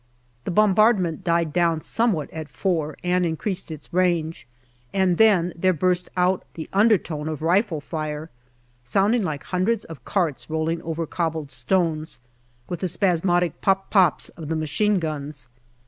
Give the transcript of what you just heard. The bombardment died down somewhat at four, and increased its range, and then there burst out the under tone of rifle fire, sounding like hundreds of carts rolling over cobbled stones, with the spasmodic pop pops of the machine guns.